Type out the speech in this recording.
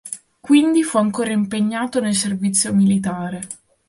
Quindi fu ancora impegnato nel servizio militare.